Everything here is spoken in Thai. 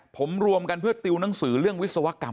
ผมรวมกันเพื่อติวหนังสือเรื่องวิศวกรรม